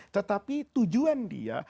tetapi tujuan dia